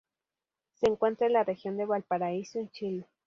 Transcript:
Se encuentra en la región de Valparaíso en Chile.